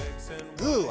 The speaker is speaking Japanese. グーは？